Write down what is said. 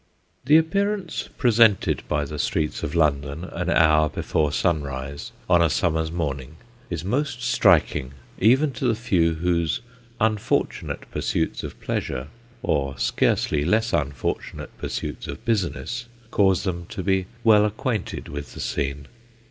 THE appearance presented by the streets of London an hour before sunrise, on a summer's morning, is most striking even to the few whose unfortunate pursuits of pleasure, or scarcely less unfortunate pursuits of business, cause them to be well acquainted with the scene.